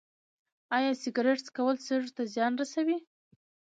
ایا سګرټ څکول سږو ته زیان رسوي